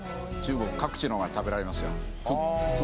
中国各地のが食べられますよ。